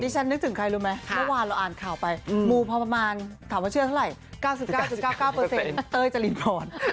ฉันนึกถึงใครรู้ไหมเมื่อวานเราอ่านข่าวไปมูพอประมาณถามว่าเชื่อเท่าไหร่๙๙๙๙๙เต้ยจรินพร